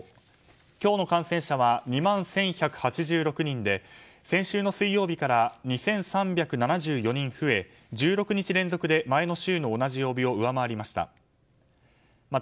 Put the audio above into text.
今日の感染者は２万１１８６人で先週の水曜日から２３７４人増え１６日連続で前の週の同じ曜日を上回りました。